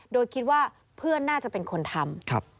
โดยคิดว่าเพื่อนน่าจะเป็นคนทำ